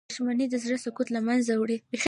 • دښمني د زړه سکون له منځه وړي.